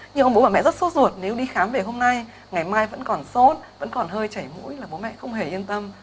nhưng ông bố và mẹ rất sốt ruột nếu đi khám về hôm nay ngày mai vẫn còn sốt vẫn còn hơi chảy mũi là bố mẹ không hề yên tâm